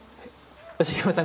茂山さん